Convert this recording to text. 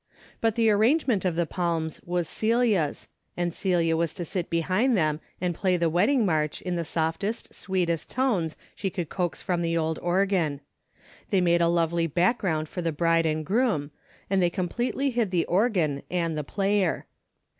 But the arrangement of the palms was Celia's, and Celia was to sit behind them and play the wedding march in the softest, sweetest tones she could coax from the old organ. They made a lovely background for the bride and groom, and they completely hid the organ and the player.